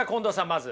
まず。